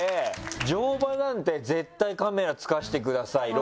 乗馬なんて絶対「カメラつかせてください」ロケで。